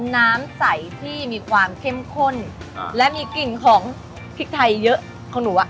น้ำใสที่มีความเข้มข้นและมีกลิ่นของพริกไทยเยอะของหนูอ่ะ